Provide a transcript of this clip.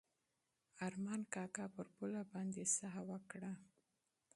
ارمان کاکا پر پوله باندې دمه وکړه.